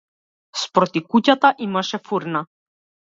Спроти куќата имаше фурна.